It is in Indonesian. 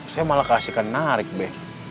saya malah kasihkan narik be